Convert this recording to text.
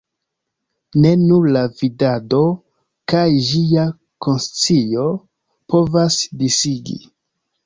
Ne nur la vidado kaj ĝia konscio povas disigi.